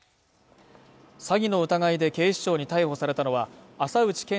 詐欺の疑いで警視庁に逮捕されたのは浅内賢輔